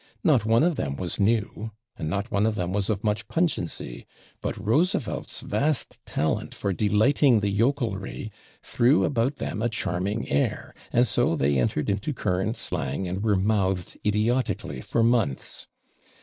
Not one of them was new and not one of them was of much pungency, but Roosevelt's vast talent for delighting the yokelry threw about them a charming air, and so they entered into current slang and were mouthed idiotically for months.